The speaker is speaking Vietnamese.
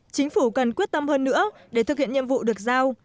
chính phủ cần quyết tâm hơn nữa để thực hiện nhiệm vụ được giao